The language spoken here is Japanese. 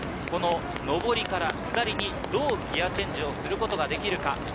この上りから下りにどうギアチェンジをすることができるか。